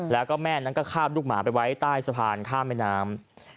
แล้วก็แม่นั้นก็คาบลูกหมาไปไว้ใต้สะพานข้ามแม่น้ำ